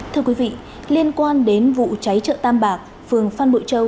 thưa quý vị liên quan đến vụ cháy chợ tam bạc phường phan bội châu